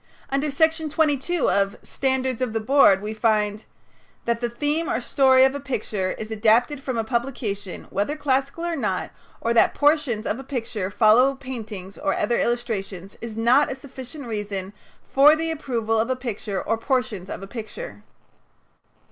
Under Section 22 of "Standards of the Board" we find: "That the theme or story of a picture is adapted from a publication, whether classical or not; or that portions of a picture follow paintings or other illustrations, is not a sufficient reason for the approval of a picture or portions of a picture."